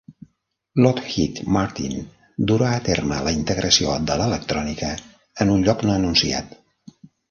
Lockheed Martin durà a terme la integració de l'electrònica en un lloc no anunciat.